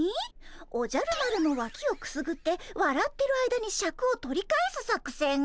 「おじゃる丸のわきをくすぐってわらってる間にシャクを取り返す作戦」？